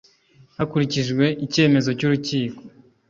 hakurikijwe icyemezo cy urukiko